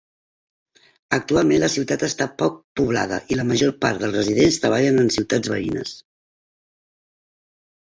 Actualment, la ciutat està poc poblada i la major part dels residents treballen en ciutats veïnes.